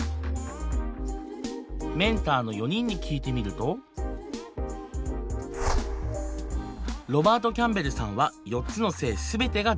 メンターの４人に聞いてみるとロバート・キャンベルさんは４つの性全てが男性。